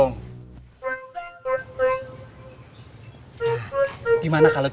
kau udah tau kan kalau